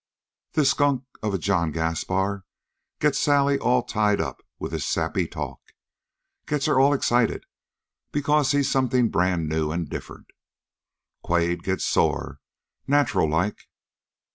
"This skunk of a John Gaspar gets Sally all tied up with his sappy talk. Gets her all excited because he's something brand new and different. Quade gets sore, nacherallike.